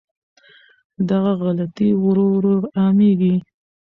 دغه غلطۍ ورو ورو عامېږي.